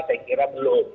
saya kira belum